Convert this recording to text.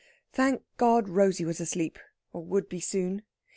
Thank God Rosey was asleep, or would be soon.